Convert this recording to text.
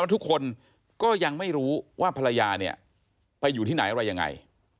ทุกคนก็ยังไม่รู้ว่าภรรยาเนี่ยไปอยู่ที่ไหนอะไรยังไง